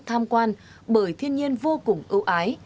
tham quan bởi thiên nhiên vô cùng ưu ái